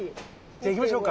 じゃいきましょうか。